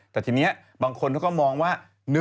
แต่ทีนี้บางคนเขาก็มองว่า